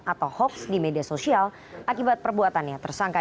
atau hoax di media sosial akibat perbuatannya tersangka